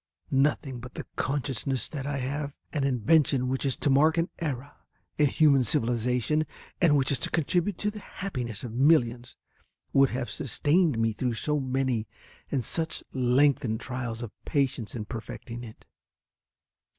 Nothing but the consciousness that I have an invention which is to mark an era in human civilization, and which is to contribute to the happiness of millions, would have sustained me through so many and such lengthened trials of patience in perfecting it.